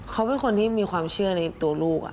เขาเป็นคนที่มีความเชื่อในตัวลูก